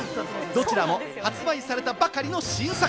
どちらも発売されたばかりの新作。